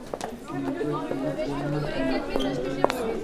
Los concursantes debían de accionar el pulsador y elegir la respuesta correcta.